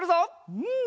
うん！